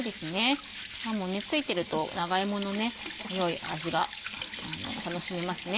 皮もね付いていると長芋のよい味が楽しめますね。